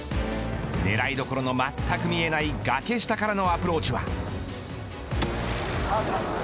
狙い所のまったく見えない崖下からのアプローチは。